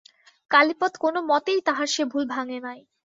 কালীপদ কোনোমতেই তাঁহার সে ভুল ভাঙে নাই।